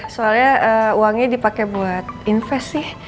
soalnya uangnya dipakai buat invest sih